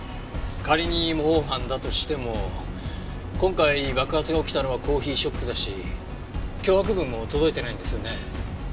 仮に模倣犯だとしても今回爆発が起きたのはコーヒーショップだし脅迫文も届いてないんですよね。